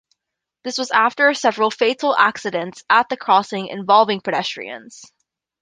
This was after several fatal accidents at the crossing involving pedestrians.